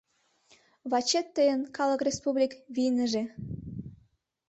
Вачет тыйын, Калык Республик, вийныже!